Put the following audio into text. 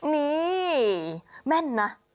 นี่แม่นนะ